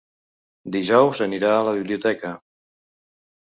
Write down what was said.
Dijous anirà a la biblioteca.